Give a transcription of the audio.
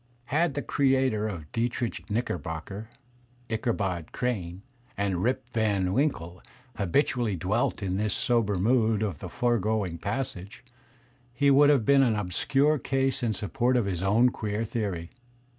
Had the creator of Diedrich Knickerbocker, Ichabod Crane, 18 Digitized by Google IRVING 19 and Rip Van Winkle habitually dwelt in the sober mood^ of the foregoing passage, he would have been an obscure case in support of his own queer theory.